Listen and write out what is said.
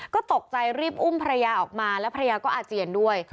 ก็ตกใจรีบอุ้มภรรยาออกมาแล้วภรรยาก็อาเจียนด้วย